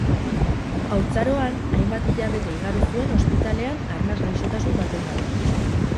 Haurtzaroan, hainbat hilabete igaro zuen ospitalean arnas gaixotasun batengatik.